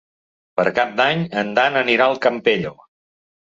Per Cap d'Any en Dan anirà al Campello.